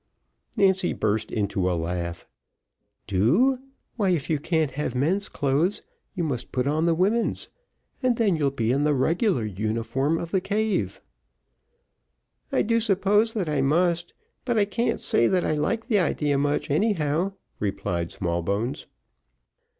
Nancy burst into a laugh. "Do, why if you can't have men's clothes, you must put on the women's, and then you'll be in the regular uniform of the cave." "I do suppose that I must, but I can't say that I like the idea much, anyhow," replied Smallbones.